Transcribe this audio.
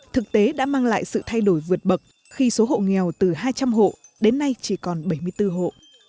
thực tế đã mang lại sự thay đổi vượt bậc khi số hộ nghèo từ hai trăm linh hộ đến nay chỉ còn bảy mươi bốn hộ